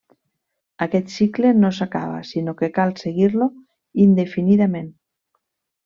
Aquest cicle no s'acaba sinó que cal seguir-lo indefinidament.